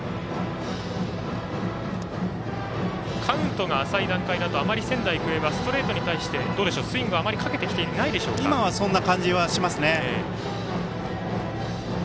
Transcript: カウントが浅い段階だとあまり仙台育英はストレートに対してスイングは、あまり今はそんな感じがしますね。